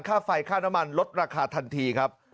ค่าไฟค่าน้ำมันลดราคาทันทีครับ